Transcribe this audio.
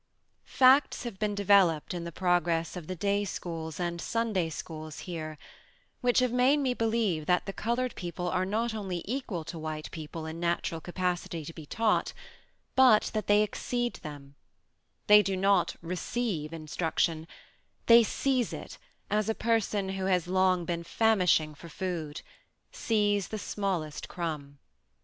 "Facts have been developed in the progress of the day schools and Sunday schools here, which have made me believe that the colored people are not only equal to white people in natural capacity to be taught, but that they exceed them: they do not receive instruction; they seize it as a person who has long been famishing for food seize the smallest crumb."